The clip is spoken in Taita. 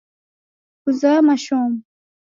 Kuzoya mashomo